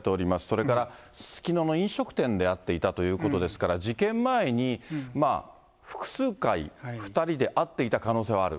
それからすすきのの飲食店で会っていたということですから、事件前に複数回、２人で会っていた可能性はある。